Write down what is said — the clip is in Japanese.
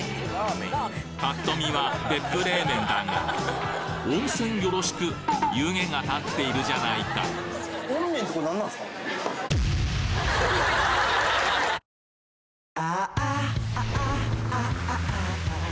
パッと見は別府冷麺だが温泉よろしく湯気が立っているじゃないかすいません！